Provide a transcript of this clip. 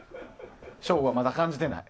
省吾はまだ感じてない。